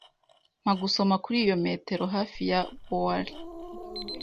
Mpa gusoma kuri iyo metero hafi ya boiler.